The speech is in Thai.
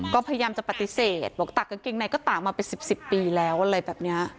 ก็พยายามจะปฏิเสธบอกตากกางเกงในก็ตากมาเป็น๑๐ปีแล้วอะไรแบบนี้